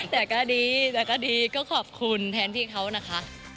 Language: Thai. แต่ก็ดีแต่ก็ดีก็ขอบคุณแทนพี่เขานะคะ